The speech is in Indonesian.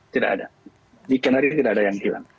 tidak ada di skenario tidak ada yang hilang